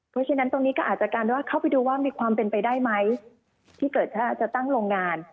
เพราะฉะนั้นตรงนี้ก็อาจจะการว่าเข้าไปดูว่ามีความเป็นไปได้ไหมที่เกิดถ้าจะตั้งโรงงาน